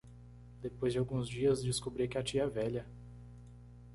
Depois de alguns dias, descobri que a tia é velha.